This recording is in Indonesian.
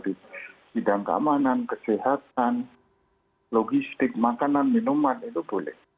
di bidang keamanan kesehatan logistik makanan minuman itu boleh